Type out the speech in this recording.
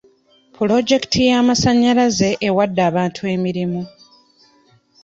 Pulojekiti y'amasannyalaze ewadde abantu emirimu.